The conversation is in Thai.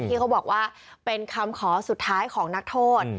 ที่เขาบอกว่าเป็นคำขอสุดท้ายของนักโทษ